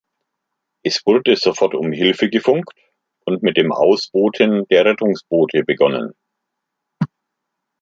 Es wurde sofort um Hilfe gefunkt und mit dem Ausbooten der Rettungsboote begonnen.